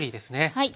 はい。